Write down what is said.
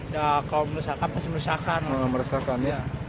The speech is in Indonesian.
kalau meresahkan pasti meresahkan